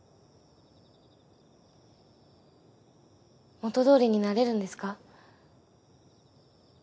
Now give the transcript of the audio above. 元どおりになれるんですか？